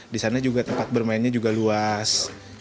di sana juga tempat bermainnya juga luas